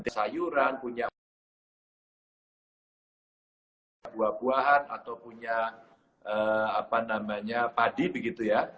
sayuran punya buah buahan atau punya apa namanya padi begitu ya